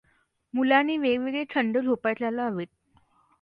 मुलांनी वेगवेगळे छंद जोपासायला हवेत.